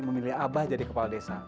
memilih abah jadi kepala desa